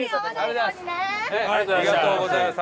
ありがとうございます。